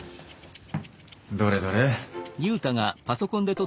どれどれ。